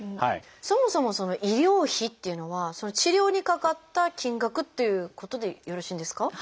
そもそもその「医療費」っていうのは治療にかかった金額っていうことでよろしいんですか？